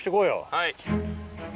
はい。